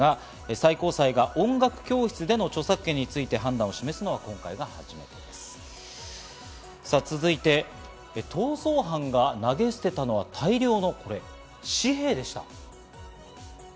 最高裁が音楽教室での著作権について判続いて逃走犯が投げ捨てたのは大量の紙幣でした。